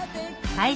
はい。